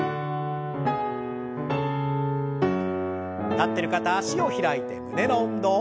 立ってる方脚を開いて胸の運動。